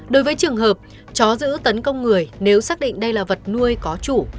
đối với trường hợp chó giữ tấn công người nếu xác định đây là vật nuôi có chủ